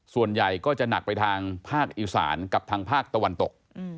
ส่วนใหญ่ก็จะหนักไปทางภาคอีสานกับทางภาคตะวันตก